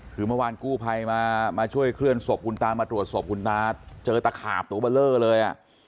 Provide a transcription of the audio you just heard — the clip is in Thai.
คือเมื่อวานกู้ภัยมาช่วยเคลื่อนศพคุณตามาตรวจศพคุณตาเจอตะขาบตัวเบอร์เลอร์เลย